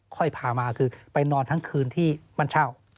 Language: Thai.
ค่อยพามาคือไปนอนทั้งคืนที่บ้านเช่า